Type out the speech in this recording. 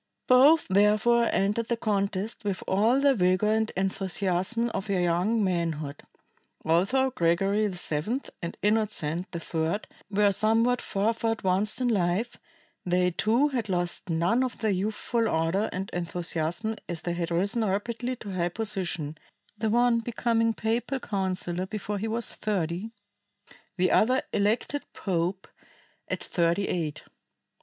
Both therefore entered the contest with all the vigor and enthusiasm of their young manhood. Although Gregory VII and Innocent III were somewhat farther advanced in life, they too had lost none of their youthful ardor and enthusiasm as they had risen rapidly to high position, the one becoming papal counsellor before he was thirty, the other elected pope at thirty eight.